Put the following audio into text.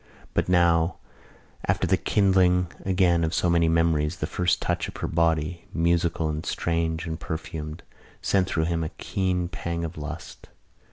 But now, after the kindling again of so many memories, the first touch of her body, musical and strange and perfumed, sent through him a keen pang of lust.